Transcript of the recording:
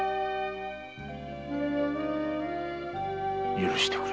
許してくれ。